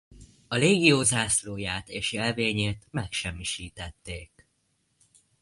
A légió zászlóját és jelvényét megsemmisítették.